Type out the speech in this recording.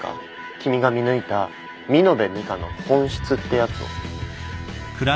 君が見抜いた美濃部ミカの本質ってやつを。